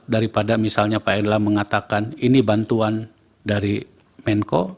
daripada misalnya pak erla mengatakan ini bantuan dari menko